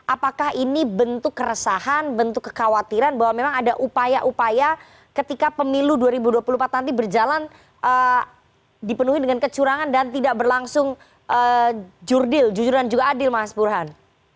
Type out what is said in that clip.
apakah ini bentuk keresahan bentuk kekhawatiran bahwa memang ada upaya upaya ketika pemilu dua ribu dua puluh empat nanti berjalan dipenuhi dengan kecurangan dan tidak berlangsung jurdil jujur dan juga adil mas burhan